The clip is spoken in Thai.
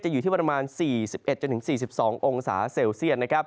อยู่ที่ประมาณ๔๑๔๒องศาเซลเซียต